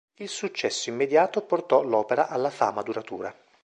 Il successo immediato portò l'opera alla fama duratura.